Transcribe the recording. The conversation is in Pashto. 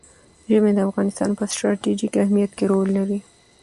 ژمی د افغانستان په ستراتیژیک اهمیت کې رول لري.